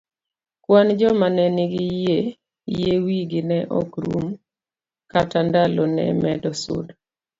Kwan joma ne nigi yie wigi ne ok rum kata ndalo ne medo sudo.